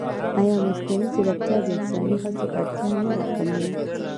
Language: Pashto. ایا مصنوعي ځیرکتیا د انساني هڅې اړتیا نه راکموي؟